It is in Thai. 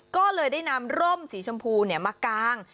ก็เลยได้นำร่มสีชมพูมากาง